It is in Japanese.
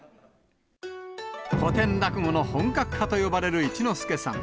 古典落語の本格派と呼ばれる一之輔さん。